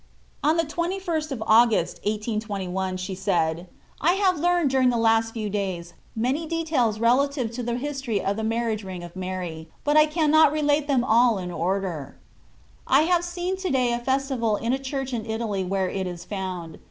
On the 2ist of August, 1821, she said : ur Xorfc Jesus Gbrist. 13 I have learned during the last few days many details relative to the history of the marriage ring of Mary, but I cannot relate them all in order. I have seen to day a festival in a church in Italy where it is found.